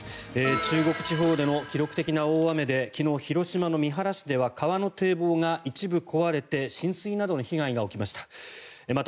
中国地方での記録的な大雨で昨日、広島の三原市では川の堤防が一部壊れて浸水などの被害が起きました。